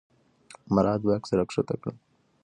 مراد بکس راښکته کړ.